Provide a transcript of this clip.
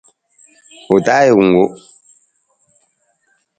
Ajuku na ku talung.